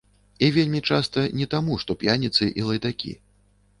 І вельмі часта не таму, што п'яніцы і лайдакі.